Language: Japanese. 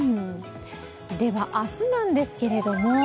では、明日なんですけれども。